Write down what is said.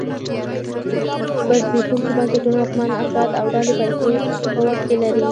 پر زبېښونکو بنسټونو واکمن افراد او ډلې پیسې په واک کې لري.